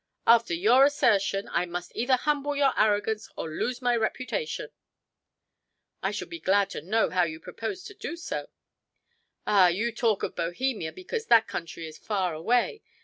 "After your assertion, I must either humble your arrogance or lose my reputation." "I shall be glad to know how you propose to do so?" "Ah, you talk of Bohemia because that country is far away.